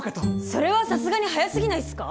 それはさすがに早すぎないっすか！？